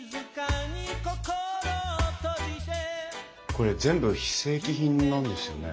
これ全部非正規品なんですよね？